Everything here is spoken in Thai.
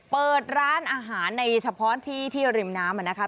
เปิดร้านอาหารในเฉพาะที่ที่ริมน้ำนะคะ